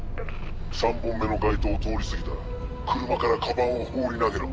３本目の街灯を通り過ぎたら車からカバンを放り投げろ。